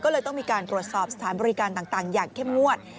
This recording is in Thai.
ก็เลยต้องมีการตรวจสอบสถานบริการต่างอย่างเข้มงวด